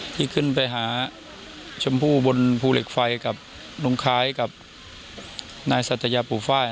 ที่ขึ้นไปหาชมพู่บนภูเหล็กไฟกับลุงคล้ายกับนายสัตยาปู่ไฟล